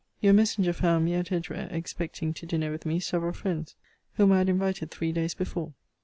Your messenger found me at Edgware expecting to dinner with me several friends, whom I had invited three days before.